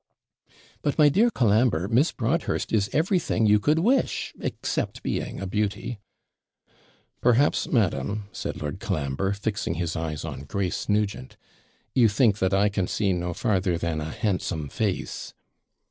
'But, my dear Colambre, Miss Broadhurst is everything you could wish, except being a beauty.' 'Perhaps, madam,' said Lord Colambre, fixing his eyes on Grace Nugent, 'you think that I can see no farther than a handsome face?'